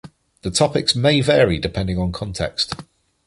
The topics may vary depending on context.